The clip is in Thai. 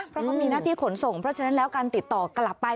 เพราะเขามีหน้าที่ขนส่งเพราะฉะนั้นแล้วการติดต่อกลับไป